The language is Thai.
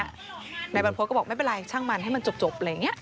นายบรรพฤษก็บอกไม่เป็นไรช่างมันให้มันจบอะไรอย่างนี้